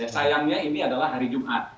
sayangnya ini adalah hari jumat